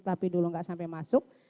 tapi dulu nggak sampai masuk